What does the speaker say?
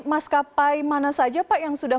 maskapai mana saja pak yang sudah